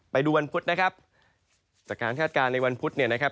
ไปดูวันพุธนะครับจากการคาดการณ์ในวันพุธเนี่ยนะครับ